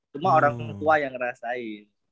cuma orang tua yang ngerasain